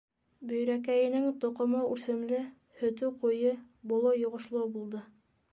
Бөйрәкәйенең тоҡомо үрсемле, һөтө ҡуйы, боло йоғошло булды.